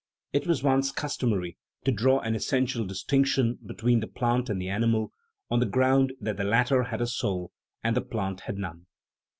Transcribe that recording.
It was once customary to draw an essen tial distinction between the plant and the animal, on the ground that the latter had a " soul " and the plant had none.